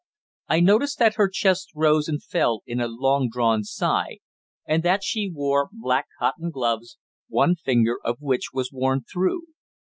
I noticed that her chest rose and fell in a long drawn sigh, and that she wore black cotton gloves, one finger of which was worn through.